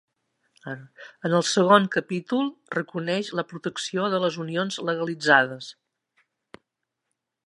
En el segon capítol reconeix la protecció de les unions legalitzades.